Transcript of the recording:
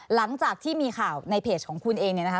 หลังจากที่มีข่าวในเพจของคุณเองเนี่ยนะคะ